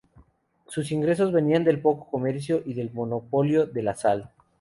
Sus ingresos venían del poco comercio y del monopolio de la sal.